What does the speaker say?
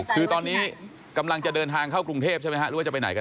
คือตอนนี้กำลังจะเดินทางเข้ากรุงเทพใช่ไหมฮะหรือว่าจะไปไหนกัน